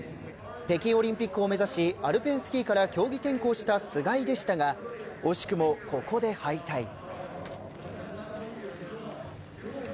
北京オリンピックを目指しアルペンスキーから競技転向した須貝でしたが惜しくも、ここで敗退。